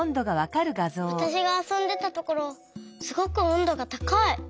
わたしがあそんでたところすごくおんどがたかい！